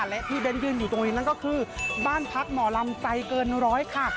และที่เบ้นยืนอยู่ตรงนี้นั่นก็คือบ้านพักหมอลำใจเกินร้อยค่ะ